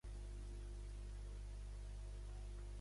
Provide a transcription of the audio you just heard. La ruta final estava en Baltimore, Maryland.